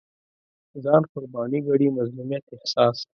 ځان قرباني ګڼي مظلومیت احساس